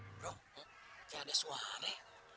bro gak ada suara